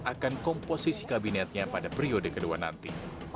akan komposisi kabinetnya pada periode kedua nanti